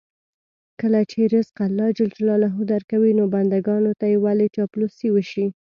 کله چې رزق الله ج درکوي، نو بندګانو ته یې ولې چاپلوسي وشي.